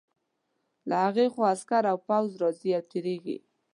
له هغې خوا عسکر او پوځ راځي او تېرېږي.